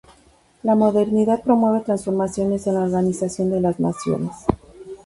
La Modernidad promueve transformaciones en la organización de las naciones.